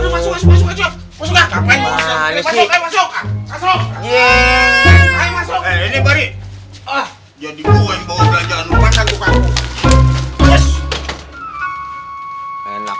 masuk masuk masuk